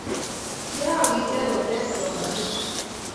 kiawiss eng wetab somanee..